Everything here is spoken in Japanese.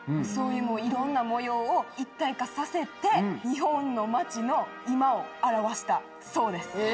そういういろんな模様を一体化させて日本の街の今を表したそうです。